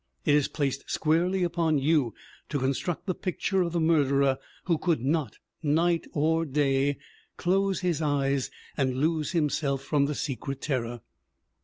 ' It is placed squarely upon you to con struct the picture of the murderer who could not, night or day, close his eyes and lose himself from the secret terror.